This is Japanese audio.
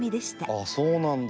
あっそうなんだ。